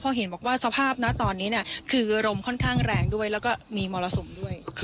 เพราะเห็นบอกว่าสภาพนะตอนนี้คือลมค่อนข้างแรงด้วยแล้วก็มีมรสุมด้วย